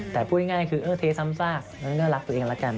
แต่พูดง่ายคือเออเทซ้ำซากน่ารักตัวเองละกัน